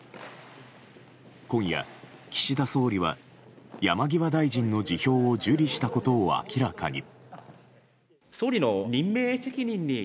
今夜、岸田総理は山際大臣の辞表を受理したことを明らかに。